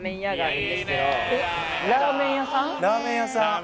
ラーメン屋さん